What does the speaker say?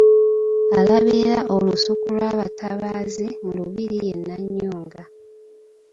Alabirira olusuku lw’abatabaazi mu Lubiri ye Nnannyonga.